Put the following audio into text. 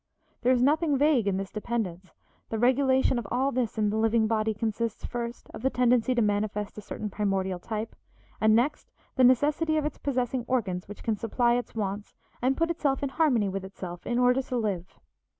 There is nothing vague in this dependence. The regulation of all this in the living body consists, first, of the tendency to manifest a certain primordial type, and, next, the necessity of its possessing organs which can supply its wants and put itself in harmony with itself in order to live.